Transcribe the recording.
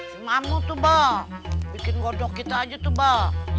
semamu tuh bang bikin godok kita aja tuh bang